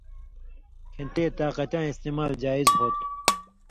کھیں تے طاقتیاں استعمال جائز ہو تُھو۔